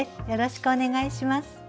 よろしくお願いします。